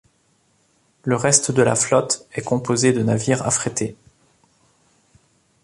Le reste de la flotte est composée de navires affrétés.